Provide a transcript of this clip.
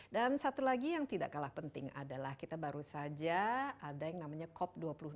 dan satu lagi yang tidak kalah penting adalah kita baru saja ada yang namanya cop dua puluh enam